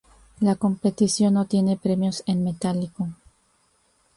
La competición no tiene premios en metálico.